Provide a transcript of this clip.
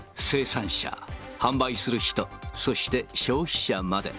生産者、販売する人、そして消費者まで。